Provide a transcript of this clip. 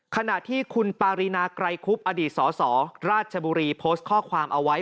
ขณะที่คุณปารีนาไกรคุบอดีตสสราชบุรีโพสต์ข้อความเอาไว้